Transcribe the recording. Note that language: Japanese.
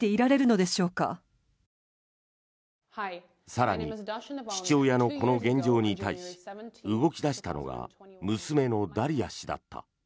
更に、父親のこの現状に対し動き出したのが娘のダリヤ氏だった。